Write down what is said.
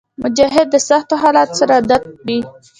مجاهد د سختو حالاتو سره عادت وي.